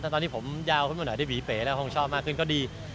แต่ตอนที่ผมยาวเพิ่มหน่อยได้หวีเป๋แล้วคงชอบมากขึ้นก็ดี